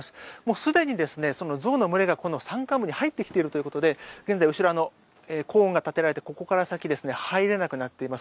すでに象の群れがこの山間部に入ってきているということで現在、後ろコーンが立てられてここから先は入れなくなっています。